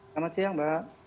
selamat siang mbak